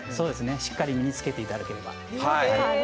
しっかり身に着けていただければ。